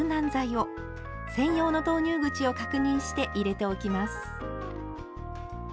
専用の投入口を確認して入れておきます。